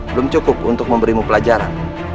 belum cukup untuk memberimu pelajaran